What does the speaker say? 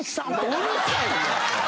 うるさいわ！